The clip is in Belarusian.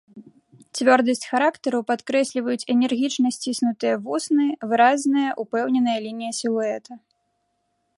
Цвёрдасць характару падкрэсліваюць энергічна сціснутыя вусны, выразная, упэўненая лінія сілуэта.